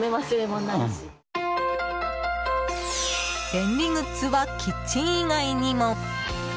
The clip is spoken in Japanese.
便利グッズはキッチン以外にも。